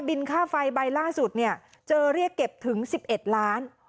ค่าไฟใบล่าสุดเนี่ยเจอเรียกเก็บถึง๑๑ล้าน